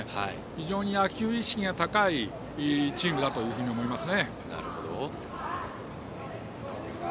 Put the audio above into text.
非常に野球意識が高いチームだと思います。